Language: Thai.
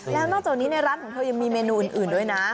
แล้วนอกจากนี้ในร้านของเธอยังมีเมนูอื่นด้วยนะ